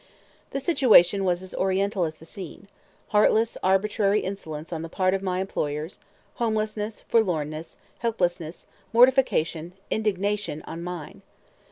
The situation was as Oriental as the scene, heartless arbitrary insolence on the part of my employers; homelessness, forlornness, helplessness, mortification, indignation, on mine.